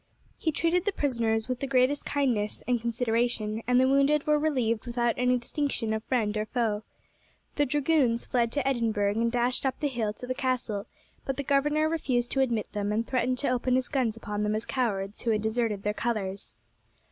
He treated the prisoners with the greatest kindness and consideration, and the wounded were relieved without any distinction of friend or foe. The dragoons fled to Edinburgh, and dashed up the hill to the castle; but the governor refused to admit them, and threatened to open his guns upon them as cowards who had deserted their colours.